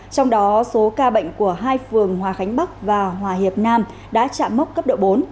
trong đó số ca bệnh của hai phường hòa khánh bắc và hòa hiệp nam đã chạm mốc cấp độ bốn